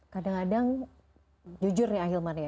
kadang kadang jujur nih ahilman ya